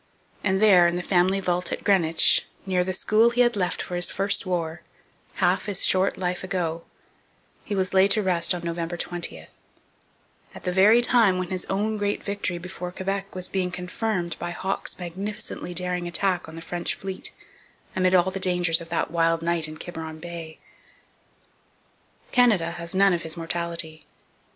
And there, in the family vault at Greenwich, near the school he had left for his first war, half his short life ago, he was laid to rest on November 20 at the very time when his own great victory before Quebec was being confirmed by Hawke's magnificently daring attack on the French fleet amid all the dangers of that wild night in Quiberon Bay. Canada has none of his mortality.